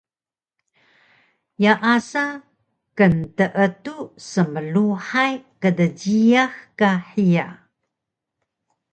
yaasa knteetu smluhay kdjiyax ka hiya